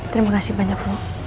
terima kasih banyak bu